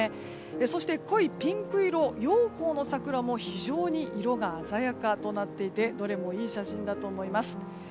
そして、濃いピンク色陽光の桜も非常に色が鮮やかとなっていてどれもいい写真だと思います。